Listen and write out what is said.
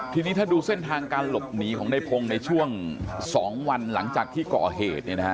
ทีนี้ถ้าดูเส้นทางการหลบหนีของในพงศ์ในช่วง๒วันหลังจากที่ก่อเหตุ